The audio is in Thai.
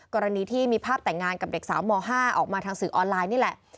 กรณีที่มีภาพแต่งงานกับเด็กสาวม๕ออกมาทางสื่อออนไลน์นี่แหละ